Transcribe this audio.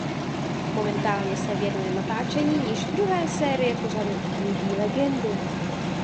Momentálně se věnuje natáčení již druhé série pořadu „"Rybí legendy"“.